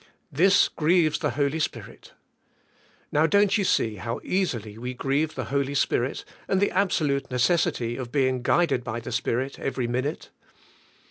This grieves the Holy Spirit. Now, dont you see how easily we grieve the Holy Spirit and the absolute necessity of being guided by the Spirit every minute?